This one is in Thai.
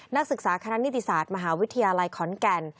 นักศึกษาคณะนิติศาสตร์มหาวิทยาลัยขอนแก่น